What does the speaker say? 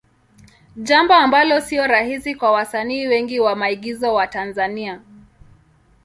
Jambo ambalo sio rahisi kwa wasanii wengi wa maigizo wa Tanzania.